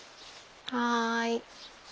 はい。